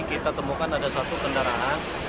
kita temukan ada satu kendaraan